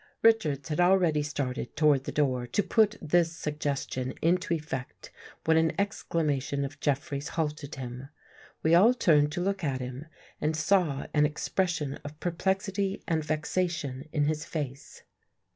Richards had already started toward the door to put this suggestion into effect, when an exclamation of Jeffrey's halted him. We all turned to look at him and saw an expression of perplexity and vex ation in his face.